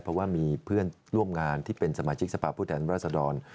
เพราะว่ามีเพื่อนร่วมงานที่เป็นสมาชิกสภาพผู้แทนรัศดร